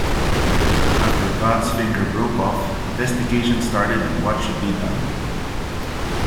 After "God's finger" broke off, investigations started on what should be done.